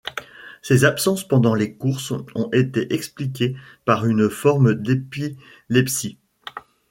Ses absences pendant les courses ont été expliquées par une forme d'épilepsie.